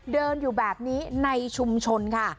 เดินอยู่แบบนี้ในชุมชนค่ะ